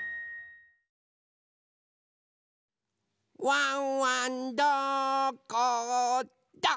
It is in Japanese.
ワンワンどこだ？